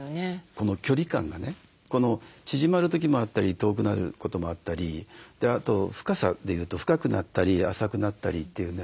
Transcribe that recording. この距離感がね縮まる時もあったり遠くなることもあったりあと深さでいうと深くなったり浅くなったりというね。